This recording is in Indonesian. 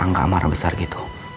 angga marah besar gitu